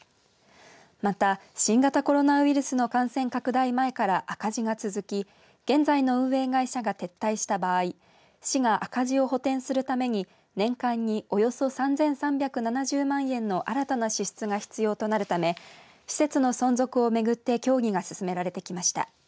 また新型コロナウイルスの感染拡大前から赤字が続き現在の運営会社が撤退した場合市が赤字を補填するために年間におよそ３３７０万円の新たな支出が必要となるため施設の存続を巡って協議が進められてきました。